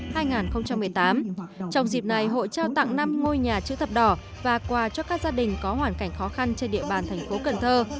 trong dịp này hội trao tặng năm ngôi nhà chữ thập đỏ và quà cho các gia đình có hoàn cảnh khó khăn trên địa bàn thành phố cần thơ